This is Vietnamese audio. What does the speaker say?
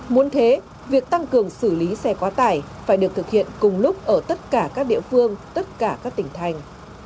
muốn thế việc tăng cường xử lý xe quá tải phải được thực hiện cùng lúc ở tất cả các địa phương tất cả các tỉnh thành